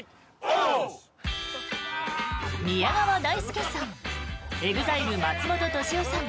宮川大輔さん